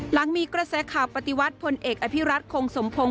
หลังมีกระแสข่าวปฏิวัติพลเอกอภิรัตคงสมพงศ